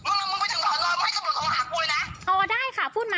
มึงมึงไปถึงสอนร้อนมึงให้กำลังโทรหากูเลยนะ